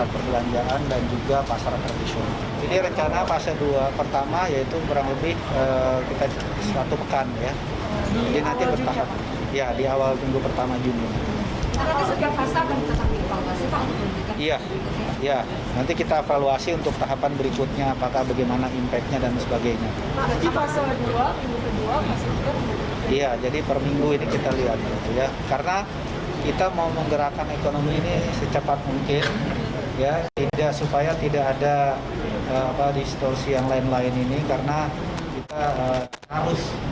pembukaan aktivitas perdagangan ini dilakukan dalam lima fase dengan mengedepankan protokol kesehatan